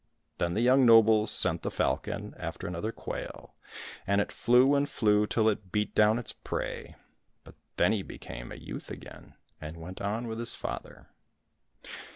Then the young nobles sent the falcon after another quail, and it flew and flew till it beat down its prey ; but then he became a youth again, and went on with his father.